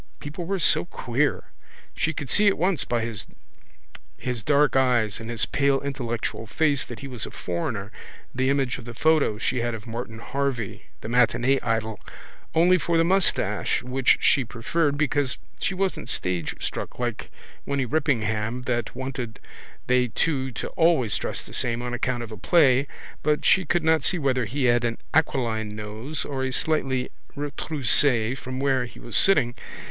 People were so queer. She could see at once by his dark eyes and his pale intellectual face that he was a foreigner, the image of the photo she had of Martin Harvey, the matinee idol, only for the moustache which she preferred because she wasn't stagestruck like Winny Rippingham that wanted they two to always dress the same on account of a play but she could not see whether he had an aquiline nose or a slightly retroussé from where he was sitting.